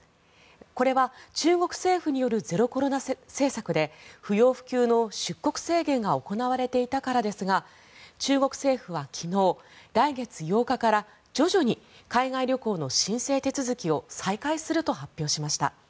これは中国政府によるゼロコロナ政策で不要不急の出国制限が行われていたからですが中国政府は昨日、来月８日から徐々に海外旅行の申請手続きを再開すると発表しました。